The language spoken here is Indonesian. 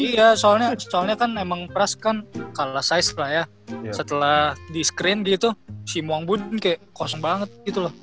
iya soalnya kan emang pras kan kalah size lah ya setelah di screen gitu si muang bun kayak kosong banget gitu loh